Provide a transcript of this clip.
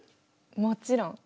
もちろん。